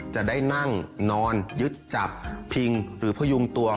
จะได้นั่งนอนยึดจับพิงหรือพยุงตัว